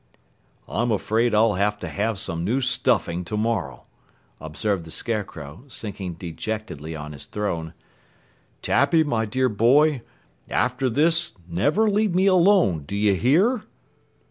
"I'm afraid I'll have to have some new stuffing tomorrow," observed the Scarecrow, sinking dejectedly on his throne. "Tappy, my dear boy, after this never leave me alone, do you hear?"